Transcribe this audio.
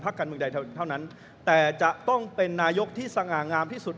การเมืองใดเท่านั้นแต่จะต้องเป็นนายกที่สง่างามที่สุด